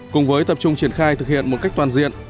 cùng với tập trung triển khai thực hiện một cách toàn diện